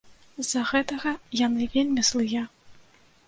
З-за гэтага яны вельмі злыя.